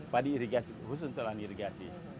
padi irigasi khusus untuk lahan irigasi